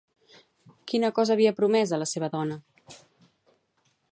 Quina cosa havia promès a la seva dona?